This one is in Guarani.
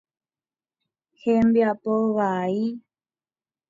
Hembiapo vai.